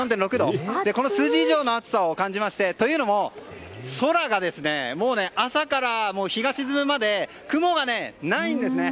この数字以上の暑さを感じましてというのも空がもう朝から日が沈むまで雲がないんですね。